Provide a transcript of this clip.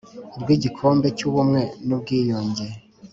ry Igikombe cy Ubumwe n Ubwiyunge